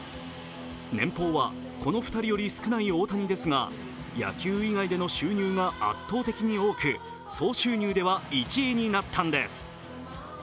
年俸はこの２人より少ない大谷ですが、野球以外での収入が圧倒的に多く総収入では１位になったんです。